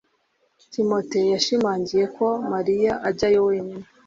timote yashimangiye ko mariya ajyayo wenyine